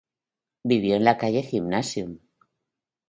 Vivió en la calle Gymnasium.